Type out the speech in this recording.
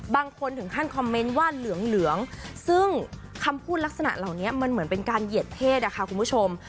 บางคนถึงขั้นคอมเมนต์ว่าเหลืองซึ่งคำพูดลักษณะเหล่านี้มันเหมือนเป็นการเหยียดเพศค่ะคุณผู้ชม